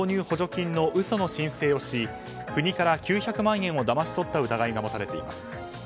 補助金の嘘の申請をし国から９００万円をだまし取った疑いが持たれています。